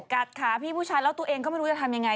กัดขาพี่ผู้ชายแล้วตัวเองก็ไม่รู้จะทำยังไง